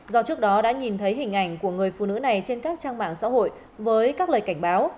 do trước đó đã nhìn thấy hình ảnh của người phụ nữ này trên các trang mạng xã hội với các lời cảnh báo